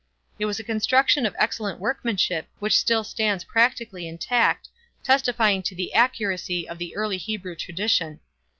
It was a construction of excellent workmanship which still stands practically intact, testifying to the accuracy of the early Hebrew tradition.